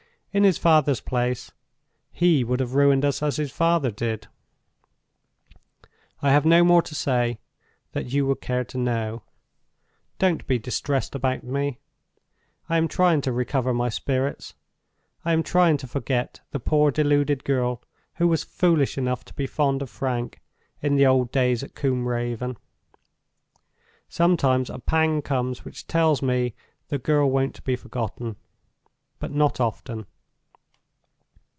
In his father's place, he would have ruined us as his father did. "I have no more to say that you would care to know. Don't be distressed about me. I am trying to recover my spirits—I am trying to forget the poor deluded girl who was foolish enough to be fond of Frank in the old days at Combe Raven. Sometimes a pang comes which tells me the girl won't be forgotten—but not often.